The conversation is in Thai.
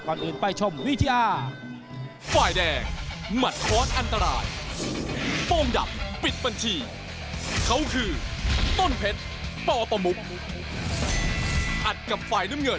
ก่อนอื่นไปชมวิทยา